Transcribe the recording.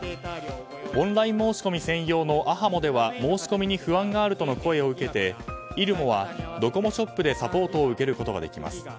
オンライン申し込み専用のａｈａｍｏでは申し込みに不安があるとの声を受けてｉｒｕｍｏはドコモショップでサポートを受けることができます。